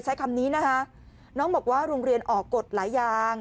ใช้คำนี้นะคะน้องบอกว่าโรงเรียนออกกฎหลายอย่าง